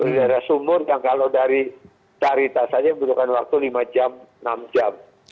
dari sumur dan kalau dari tarita saja butuhkan waktu lima jam enam jam